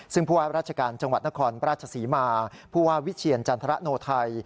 ซึ่งผู้ว่าราชการจังหวัดนครราชศรีมาผู้ว่าวิเชียรจันทรโนไทย